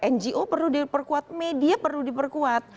ngo perlu diperkuat media perlu diperkuat